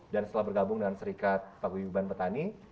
dan setelah bergabung dengan serikat paguyuban petani